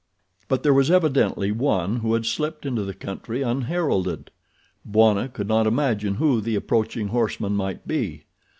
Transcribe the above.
But there was evidently one who had slipped into the country unheralded. Bwana could not imagine who the approaching horseman might be.